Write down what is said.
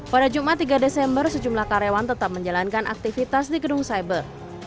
pada jumat tiga desember sejumlah karyawan tetap menjalankan aktivitas di gedung cyber